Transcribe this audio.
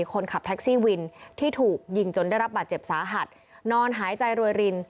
คนขับแท็กซี่วินที่ถูกยิงจนได้รับบาดเจ็บสาหัสนอนหายใจรวยริน